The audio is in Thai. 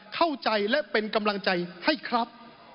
เข้าใจและเป็นกำลังใจให้ครับ